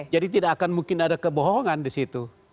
jadi tidak akan mungkin ada kebohongan di situ